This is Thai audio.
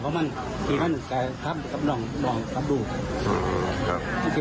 จังหวะเนี่ยของน้องผู้พอดทิว